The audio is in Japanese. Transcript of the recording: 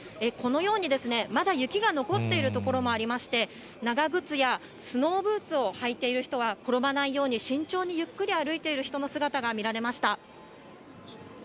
このように、まだ雪が残っている所もありまして、長靴やスノーブーツを履いている人や転ばないように慎重にゆっくり歩いている人の姿が見られました。